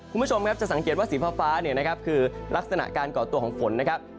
คุณผู้ชมจะสังเกตว่าสีฟ้าคือลักษณะการกดตัวของฝนนะครับ